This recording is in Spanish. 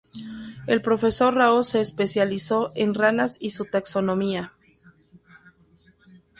El profesor Rao se especializó en ranas y su taxonomía.